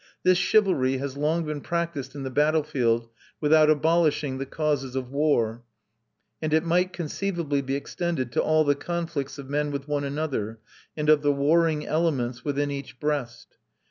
This chivalry has long been practised in the battle field without abolishing the causes of war; and it might conceivably be extended to all the conflicts of men with one another, and of the warring elements within each breast.